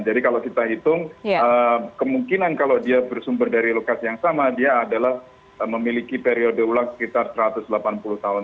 jadi kalau kita hitung kemungkinan kalau dia bersumber dari lokasi yang sama dia adalah memiliki periode ulang sekitar satu ratus delapan puluh tahun